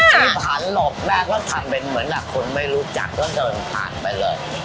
พี่พันหลบแม่ก็ทำเป็นเหมือนอ่ะคนไม่รู้จักก็เดินผ่านไปเลย